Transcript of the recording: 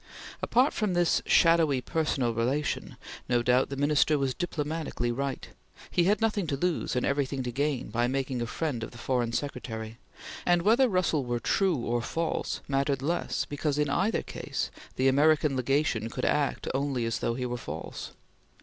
Apart from this shadowy personal relation, no doubt the Minister was diplomatically right; he had nothing to lose and everything to gain by making a friend of the Foreign Secretary, and whether Russell were true or false mattered less, because, in either case, the American Legation could act only as though he were false.